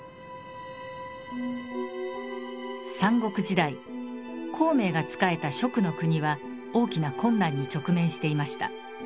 三国時代孔明が仕えた蜀の国は大きな困難に直面していました。